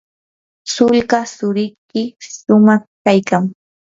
sulka tsurikiy shumaq kaykan.